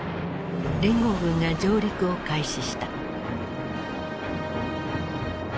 連合軍が上陸を開始した。